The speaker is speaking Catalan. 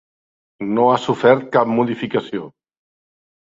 No ha sofert cap modificació.